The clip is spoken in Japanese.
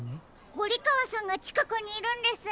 ゴリかわさんがちかくにいるんですね。